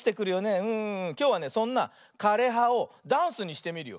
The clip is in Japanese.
きょうはねそんな「かれは」をダンスにしてみるよ。